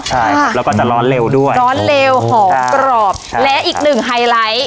ใช่ครับแล้วก็จะร้อนเร็วด้วยร้อนเร็วหอมกรอบและอีกหนึ่งไฮไลท์